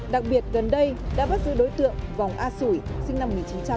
đặc biệt gần đây đã bắt giữ đối tượng vòng a sủi sinh năm một nghìn chín trăm tám mươi